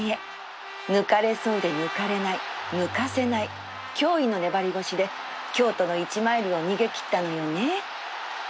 抜かれそうで抜かれない抜かせない驚異の粘り腰で京都の１マイルを逃げ切ったのよね